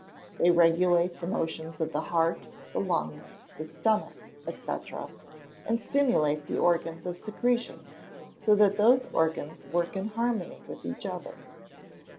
They regulate the motions of the heart, the lungs, the stomach, &c., and stimulate the organs of secretion, so that those organs work in harmony with each other.